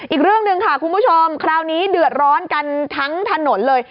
อีกเรื่องหนึ่งค่ะคุณผู้ชมคราวนี้เดือดร้อนกันทั้งถนนเลย